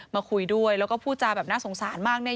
มาคุยด้วยแล้วก็พูดจาแบบน่าสงสารมากเนี่ย